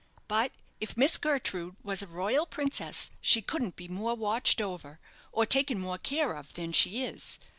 But if Miss Gertrude was a royal princess, she couldn't be more watched over, or taken more care of, than she is.